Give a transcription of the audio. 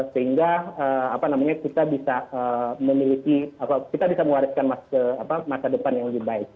sehingga kita bisa mewariskan masa depan yang lebih baik